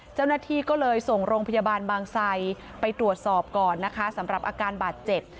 เจ้าหน้าที่ก็เลยส่งโรงพยาบาลบางไซไปตรวจสอบก่อนนะคะสำหรับอาการบาดเจ็บ